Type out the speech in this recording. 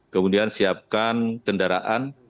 kemudian siapkan kendaraan